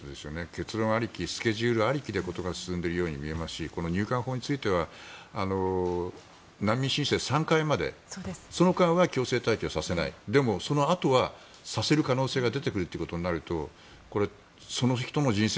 結論ありきスケジュールありきで事が進んでいるように見えますしこの入管法については難民申請が３回までその間は強制退去させないでも、そのあとはさせる可能性が出てくるということになるとこれ、その人の人生